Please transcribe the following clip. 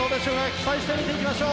期待して見ていきましょう。